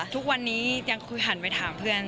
ทุกวันนี้ยังคือหันไปถามเพื่อน